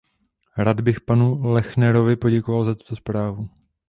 Rád bych panu Lechnerovi poděkoval za touto zprávu.